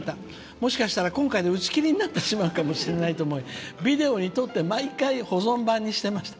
もしかしたら、今回で打ち切りになってしまうと思いビデオにとって毎回保存版にしていました」。